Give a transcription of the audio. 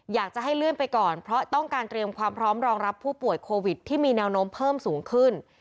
อยากจะให้เลื่อนไปก่อนเพราะต้องการเตรียมความพร้อมรองรับผู้ป่วยโควิดที่มีแนวโน้มเพิ่มสูงขึ้น